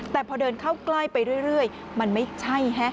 แต่พอเดินเข้าใกล้ไปเรื่อยมันไม่ใช่ฮะ